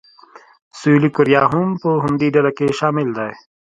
سویلي کوریا هم په همدې ډله کې شامل دی.